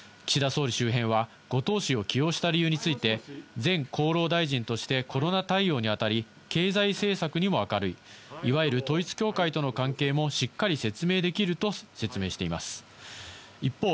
総理周辺は後藤氏を起用した理由について、厚労大臣としてコロナ対応にあたり、経済政策にも明るい、いわゆる統一教会との関係もしっかり説明できると説明しています。